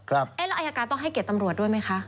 แล้วอายการต้องให้เกียรติตำรวจด้วยไหมคะ